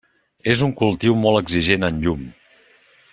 És un cultiu molt exigent en llum.